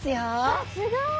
わっすごい！